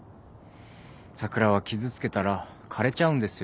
桜は傷つけたら枯れちゃうんですよ。